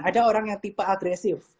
ada orang yang tipe agresif